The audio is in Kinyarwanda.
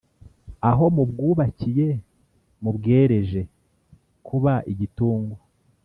aho mubwubakiye mubwereje, kubaigitungwa,